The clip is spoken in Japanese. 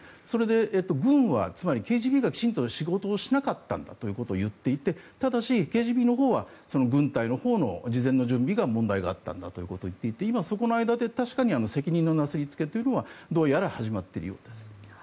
それで軍は、つまりＫＧＢがきちんと仕事をしなかったんだということを言っていてただし、ＫＧＢのほうは軍隊の事前の準備が問題があったんだということを言っていて、今そこの間で確かに責任のなすりつけはどうやら始まっているようです。